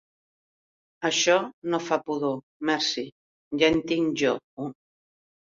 Això no fa pudor, merci, ja en tinc jo un.